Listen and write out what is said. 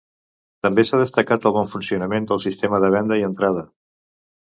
També s’ha destacat el bon funcionament del sistema de venda i entrada.